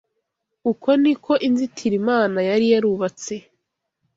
Uko ni ko inzitiro Imana yari yarubatse